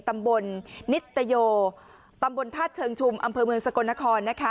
ตำบลนิตเตโยตำบลท่าเชิงชุมอำเภอเมืองสกลนคร